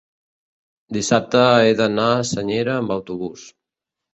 Dissabte he d'anar a Senyera amb autobús.